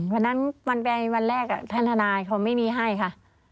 วันนั้นวันใบวันแรกท่านธนาเขาไม่มีให้ค่ะ